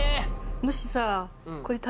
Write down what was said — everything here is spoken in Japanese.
もしさ。